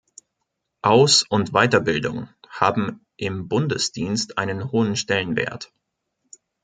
Aus- und Weiterbildung haben im Bundesdienst einen hohen Stellenwert.